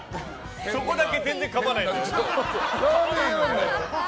そこだけ全然かまないんだよね。